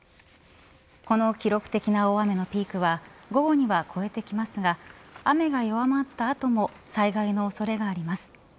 この記録的な大雨のピークは午後には超えてきますが雨が弱まった後も災害の恐れがあります。